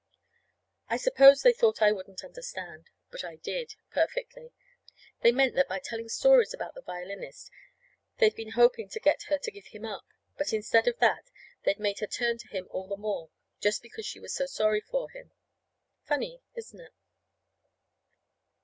I suppose they thought I wouldn't understand. But I did, perfectly. They meant that by telling stories about the violinist they'd been hoping to get her to give him up, but instead of that, they'd made her turn to him all the more, just because she was so sorry for him. Funny, isn't it?